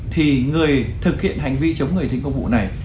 thì người thực hiện hành vi chống người thi hành công vụ này